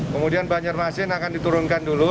kemudian banjarmasin akan diturunkan dulu